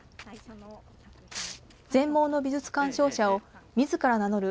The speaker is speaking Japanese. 全盲の美術鑑賞者をみずから名乗る